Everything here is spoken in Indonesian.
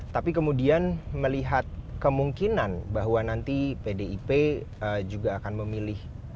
tapi kemudian melihat kemungkinan bahwa nanti pdip juga akan memilih